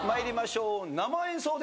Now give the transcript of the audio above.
生演奏で。